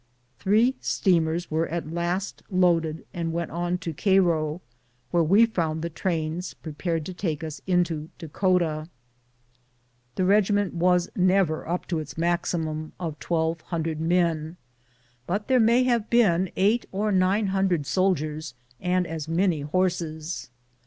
Three steamers were 14 BOOTS AND SADDLES. at last loaded and we went on to Cairo, where we found the trains prepared to take ns into Dakota. The regiment was never up to its maximum of twelve hundred men, but there may have been eight or nine hundred soldiers and as many horses.